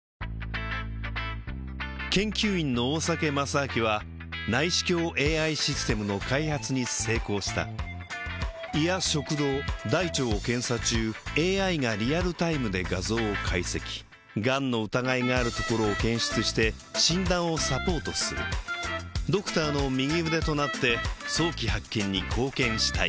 研究員の大酒正明は内視鏡ＡＩシステムの開発に成功した胃や食道大腸を検査中ＡＩがリアルタイムで画像を解析がんの疑いがあるところを検出して診断をサポートするドクターの右腕となって早期発見に貢献したい